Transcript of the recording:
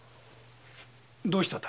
どうした妙？